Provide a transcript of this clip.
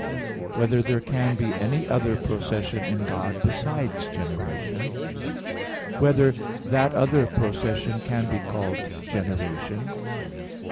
(3) Whether there can be any other procession in God besides generation? (4) Whether that other procession can be called generation?